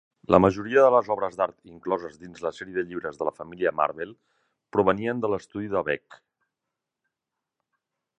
La majoria de les obres d'art incloses dins la sèrie de llibres de la família Marvel provenien de l'estudi de Beck.